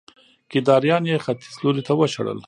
کيداريان يې ختيځ لوري ته وشړل